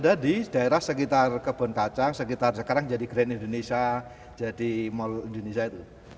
ada di daerah sekitar kebun kacang sekitar sekarang jadi grand indonesia jadi mall indonesia itu